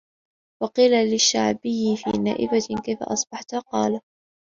وَقِيلَ لِلشَّعْبِيِّ فِي نَائِبَةٍ كَيْفَ أَصْبَحْت ؟ قَالَ